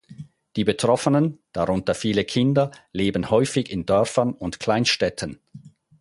Die Betroffenen, darunter viele Kinder, leben häufig in Dörfern und Kleinstädten.